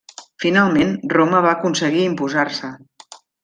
Finalment, Roma va aconseguir imposar-se.